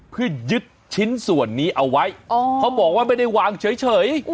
เพื่อยึดชิ้นส่วนนี้เอาไว้เขาบอกว่าไม่ได้วางเฉย